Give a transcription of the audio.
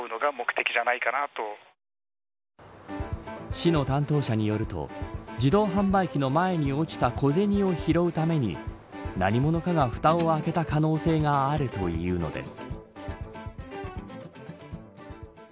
市の担当者によると自動販売機の前に落ちた小銭を拾うために、何者かがふたを開けた可能性があるというのです。